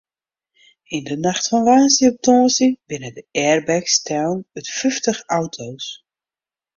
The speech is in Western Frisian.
Yn de nacht fan woansdei op tongersdei binne de airbags stellen út fyftich auto's.